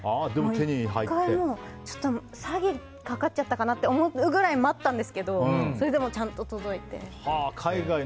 １回、詐欺にかかっちゃったかなって思うくらい待ったんですけどそれでもちゃんと届いて。